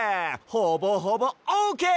ほぼほぼオーケー！